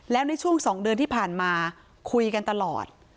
แล้วในช่วง๒เดือนที่ผ่านมาคุยกันตลอด